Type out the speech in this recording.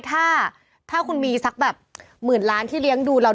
ถ้าถ้าคุณมีสักแบบหมื่นล้านที่เลี้ยงดูเรา